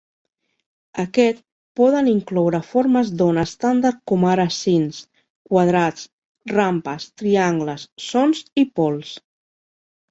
Aquest poden incloure formes d'ona estàndard com ara sins, quadrats, rampes, triangles, sons i pols.